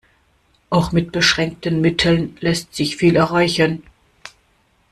Auch mit beschränkten Mitteln lässt sich viel erreichen.